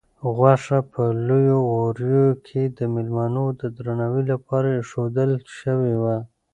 غوښه په لویو غوریو کې د مېلمنو د درناوي لپاره ایښودل شوې وه.